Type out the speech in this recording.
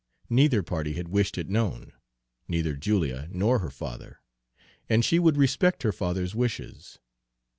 Neither party had wished it known, neither Julia nor her father, and she would respect her father's wishes.